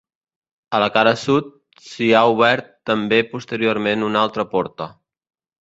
A la cara sud, s'hi ha obert també posteriorment una altra porta.